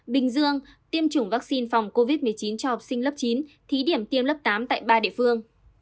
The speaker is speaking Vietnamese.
bình dương tiêm chủng vaccine phòng covid một mươi chín cho học sinh lớp chín thí điểm tiêm lớp tám tại ba địa phương